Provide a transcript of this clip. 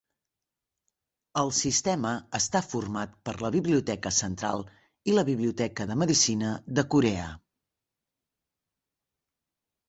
El sistema està format per la Biblioteca Central i la Biblioteca de Medicina de Corea.